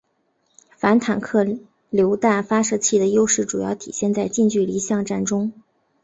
反坦克榴弹发射器的优势主要体现在近距离巷战中。